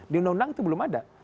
di undang undang itu belum ada